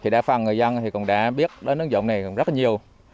đa phần người dân cũng đã biết đến ứng dụng này cũng rất nhiều